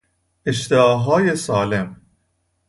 اشتهای سالم